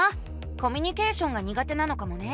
コミュニケーションが苦手なのかもね。